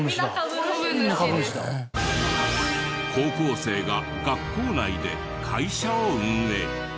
高校生が学校内で会社を運営。